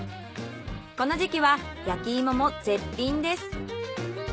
この時期は焼き芋も絶品です。